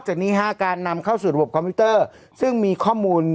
จากนี้๕การนำเข้าสู่ระบบคอมพิวเตอร์ซึ่งมีข้อมูล